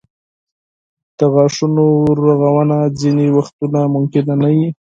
د غاښونو رغونه ځینې وختونه ممکنه نه وي.